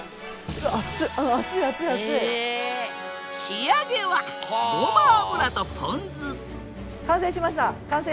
仕上げはごま油とポン酢完成しました完成です。